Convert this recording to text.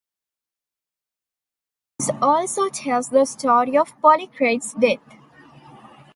Herodotus also tells the story of Polycrates' death.